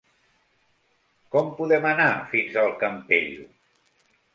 Com podem anar fins al Campello?